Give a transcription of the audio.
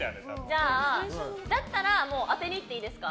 じゃあ、だったら当てにいっていいですか？